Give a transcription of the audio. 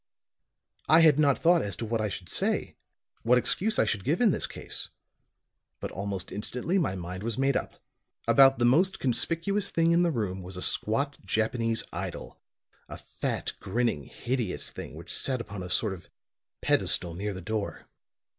"I had not thought as to what I should say, what excuse I should give in this case. But almost instantly my mind was made up. About the most conspicuous thing in the room was a squat Japanese idol a fat, grinning, hideous thing which sat upon a sort of pedestal near the door.